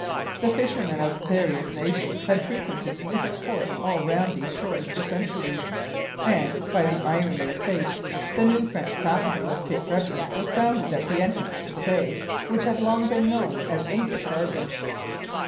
The fishermen of various nations had frequented different ports all round these shores for centuries; and, by the irony of fate, the new French capital of Cape Breton was founded at the entrance to the bay which had long been known as English Harbour.